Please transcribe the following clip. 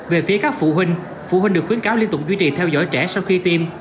về phía các phụ huynh phụ huynh được khuyến cáo liên tục duy trì theo dõi trẻ sau khi tiêm